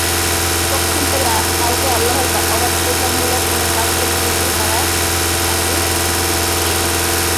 পক্ষান্তরে কাউকে আল্লাহর অবাধ্যতামূলক কোন কাজ করতে দেখলে তারা তাকে নিয়ে।